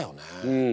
うん。